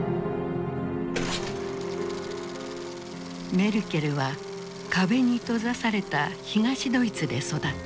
メルケルは壁に閉ざされた東ドイツで育った。